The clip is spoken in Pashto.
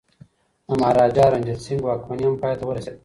د مهاراجا رنجیت سنګ واکمني هم پای ته ورسیده.